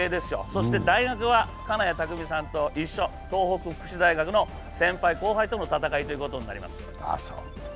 そして大学は金谷拓実選手と一緒、東北福祉大学の先輩、後輩での戦いとなります。